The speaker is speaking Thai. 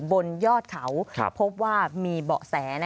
บนยอดเขาพบว่ามีเบาะแส